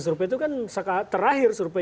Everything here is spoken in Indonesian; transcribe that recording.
surpe itu kan terakhir surpe